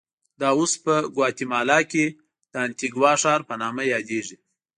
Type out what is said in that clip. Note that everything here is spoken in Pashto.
دا اوس په ګواتیمالا کې د انتیګوا ښار په نامه یادېږي.